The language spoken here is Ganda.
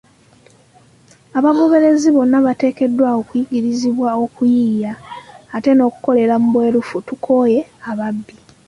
Abagoberezi bonna bateekeddwa okuyigirizibwa okuyiiya, ate n'okukolera mu bwerufu; tukooye ababbi.